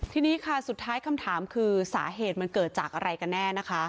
ทีนี้ค่ะสุดท้ายคำถามคือสาเหตุมันเกิดจากอะไรกันแน่นะคะ